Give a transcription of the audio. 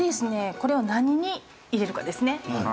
これを何に入れるかですね。